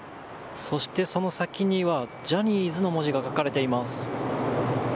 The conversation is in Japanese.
そして、その先にはジャニーズの文字が書かれています。